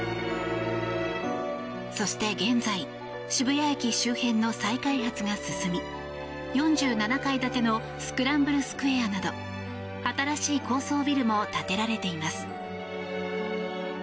そして現在渋谷駅周辺の再開発が進み４７階建てのスクランブルスクエアなど新しい高層ビルも建てられています。